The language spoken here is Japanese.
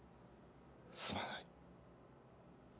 すまない。